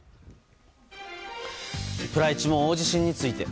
プライチも大地震について。